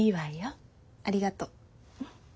ありがとう。